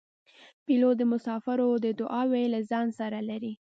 پیلوټ د مسافرو دعاوې له ځان سره لري.